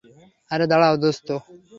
আরে দাঁড়াও দোস্ত।